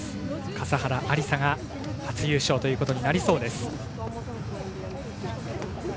笠原有彩が初優勝ということになりそうです。